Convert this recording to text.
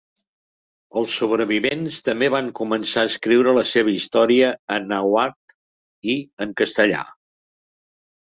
Els sobrevivents també van començar a escriure la seva història en nàhuatl i en castellà.